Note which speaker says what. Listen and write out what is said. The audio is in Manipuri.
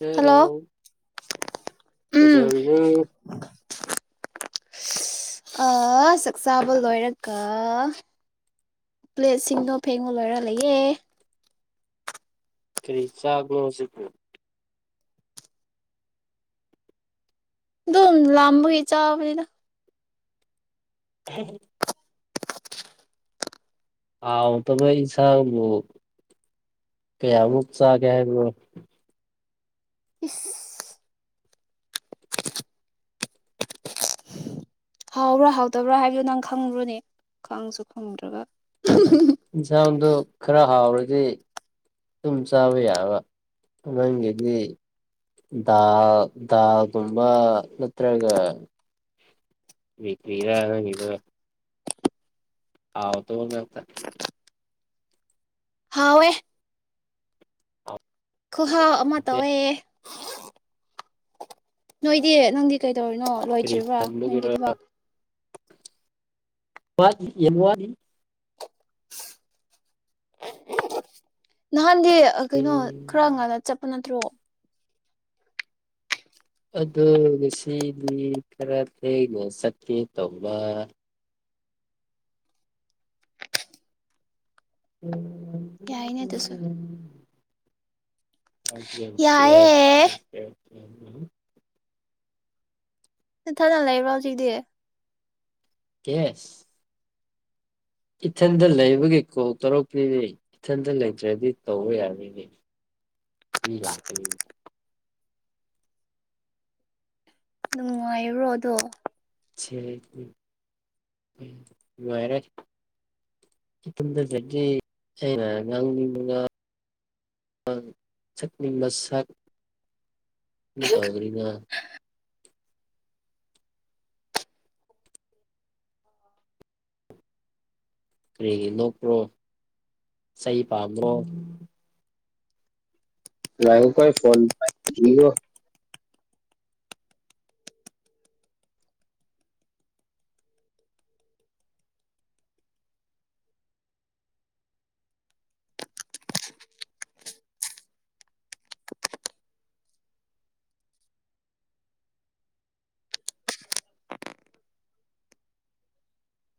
Speaker 1: ꯍꯦꯔꯣ
Speaker 2: ꯍꯜꯂꯣ ꯎꯝ
Speaker 1: ꯀꯩꯗꯧꯔꯤꯅꯣ [inaudible]
Speaker 2: ꯑꯥ ꯆꯥꯛꯆꯥꯥꯕ ꯂꯣꯏꯔꯒ ꯄ꯭ꯂꯦꯠꯁꯤꯡꯗꯣ ꯐꯦꯡꯕ ꯂꯣꯏꯔ ꯂꯩꯌꯦ
Speaker 1: ꯀꯔꯤ ꯆꯥꯕ꯭ꯔꯣ ꯍꯧꯖꯤꯛꯄꯨ?
Speaker 2: ꯗꯨꯝ ꯂꯥꯝꯕꯒꯤ ꯆꯕꯅꯤꯗ꯫
Speaker 1: [unintelligible] ꯍꯥꯎꯇꯕ ꯏꯟꯁꯥꯡꯕꯨ ꯀꯌꯥꯃꯨꯛ ꯆꯥꯒꯦ ꯍꯥꯏꯕꯅꯣ?
Speaker 2: ꯏꯁ ꯍꯥꯎꯕ꯭ꯔꯥ ꯍꯥꯎꯇꯕ꯭ꯔꯥ ꯍꯥꯏꯕꯗꯨ ꯅꯪ ꯈꯪꯕ꯭ꯔꯅꯦ ꯈꯪꯁꯨ ꯈꯪꯗ꯭ꯔꯒ꯫
Speaker 1: ꯏꯟꯁꯥꯡꯗꯨ ꯈꯔ ꯍꯥꯎꯔꯗꯤ ꯗꯨꯝ ꯆꯥꯕ ꯌꯥꯕ ꯅꯪꯒꯤꯗꯤ ꯗꯥꯜ ꯗꯥꯜꯒꯨꯝꯕ ꯅꯠꯇ꯭ꯔꯒ [unintelligible] ꯅꯪꯒꯤꯗꯣ ꯍꯥꯎꯇꯕ ꯉꯥꯛꯇ
Speaker 2: ꯍꯥꯎꯋꯦ ꯈꯨꯍꯥꯎ ꯑꯃꯥ
Speaker 1: ꯍꯥꯎꯇꯦ
Speaker 2: ꯇꯧꯋꯦ ꯅꯣꯏꯗꯤ ꯅꯪꯗꯤ ꯀꯩꯗꯧꯔꯤꯅꯣ
Speaker 1: ꯀꯔꯤ
Speaker 2: ꯂꯣꯏꯗ꯭ꯔꯤꯕ꯭ꯔꯥ ꯅꯪꯒꯤ
Speaker 1: ꯇꯟꯕꯒꯤꯔꯣ
Speaker 2: ꯊꯥꯕꯛ
Speaker 1: ꯋꯥꯠꯂꯤ ꯌꯥꯝ ꯋꯥꯠꯂꯤ꯫
Speaker 2: ꯅꯍꯥꯟꯗꯤ ꯀꯩꯅꯣ ꯈꯔꯥ ꯉꯟꯅꯥ ꯆꯠꯄ ꯅꯠꯇ꯭ꯔꯣ
Speaker 1: ꯑꯗꯣ ꯉꯁꯤꯗꯤ ꯈꯔꯥ ꯊꯦꯡꯅꯥ ꯆꯠꯀꯦ ꯇꯧꯕ꯫ ꯎꯝ
Speaker 2: ꯌꯥꯏꯅꯦ ꯑꯗꯨꯁꯨ ꯌꯥꯏꯌꯦ
Speaker 1: [unintelligible]
Speaker 2: ꯅꯥꯊꯟꯗꯥ ꯂꯩꯕ꯭ꯔꯣ ꯍꯧꯖꯤꯛꯗꯤ?
Speaker 1: ꯌꯦꯁ ꯏꯊꯟꯗꯥ ꯂꯩꯕꯒꯤ ꯀꯣꯜ ꯇꯧꯔꯛꯄꯥꯅꯤꯅꯦ ꯏꯊꯟꯗꯥ ꯂꯩꯇ꯭ꯔꯥꯗꯤ ꯇꯧꯕ ꯌꯥꯔꯣꯏꯅꯦ꯫ ꯃꯤ ꯂꯥꯛꯀꯅꯤ
Speaker 2: ꯅꯨꯡꯉꯥꯏꯕ꯭ꯔꯣ ꯑꯗꯨ?
Speaker 1: ꯅꯨꯉꯥꯏꯔꯦ ꯏꯊꯟꯗꯥ ꯂꯩꯔꯗꯤ ꯑꯩꯅꯥ ꯉꯥꯡꯅꯤꯡꯕꯥ ꯉꯥꯡ ꯁꯛꯅꯤꯡꯕ ꯁꯛ ꯗꯨꯝ ꯇꯧꯒꯥꯅꯤꯅ ꯀꯔꯤꯒꯤ ꯅꯣꯛꯄ꯭ꯔꯣ ꯆꯩ ꯄꯥꯝꯕꯔꯣ? [unintelligible]